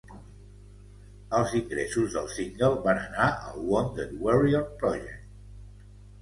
Els ingressos del single van anar al Wounded Warrior Project.